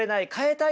たい